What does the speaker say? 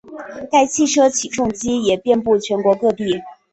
该汽车起重机也遍布全国各地。